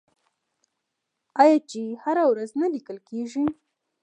آیا چې هره ورځ نه لیکل کیږي؟